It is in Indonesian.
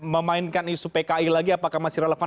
memainkan isu pki lagi apakah masih relevan